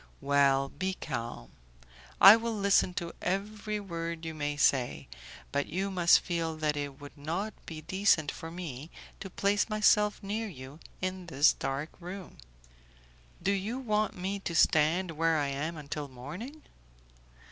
"Well, be calm. I will listen to every word you may say, but you must feel that it would not be decent for me to place myself near you in this dark room." "Do you want me to stand where I am until morning?"